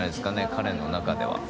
彼の中では。